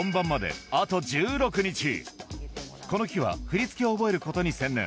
この日は振り付けを覚えることに専念